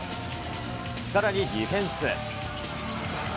さらにディフェンス。